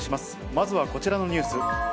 まずはこちらのニュース。